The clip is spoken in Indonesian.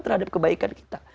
terhadap kebaikan kita